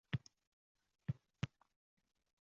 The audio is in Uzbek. — Shu bola necha yildan beri partiyaga o‘tolmay